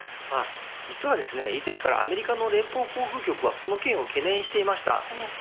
実は以前からアメリカの連邦航空局はこの件を懸念していました。